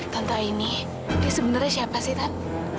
tante aini dia sebenarnya siapa sih tan